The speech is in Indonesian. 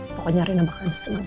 pokoknya reina bakal senang